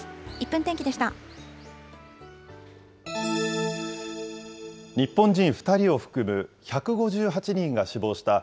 １分天気でした。